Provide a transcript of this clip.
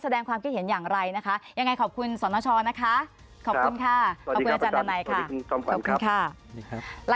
แสดงความคิดเห็นอย่างไรนะคะยังไงขอบคุณสนชอนะคะ